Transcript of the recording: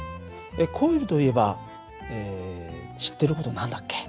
コイルといえば知ってる事何だっけ？